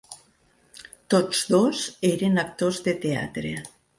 Tots dos eren actors de teatre.